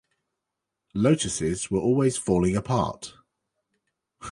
Lotuses were always falling apart...